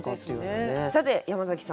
さて山崎さん